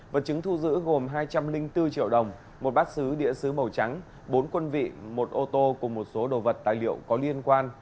vật chứng thu giữ gồm hai trăm linh bốn triệu đồng một bát xứ địa xứ màu trắng bốn quân vị một ô tô cùng một số đồ vật tài liệu có liên quan